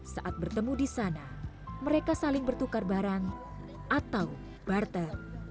saat bertemu di sana mereka saling bertukar barang atau barter